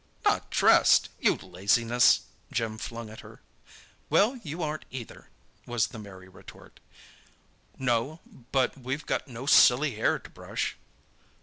"Not dressed?—you laziness!" Jim flung at her. "Well, you aren't either," was the merry retort. "No; but we've got no silly hair to brush!"